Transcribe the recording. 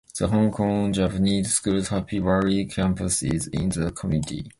The Hong Kong Japanese School's Happy Valley Campus is in the community.